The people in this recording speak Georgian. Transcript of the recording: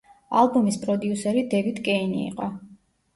ალბომის პროდიუსერი დევიდ კეინი იყო.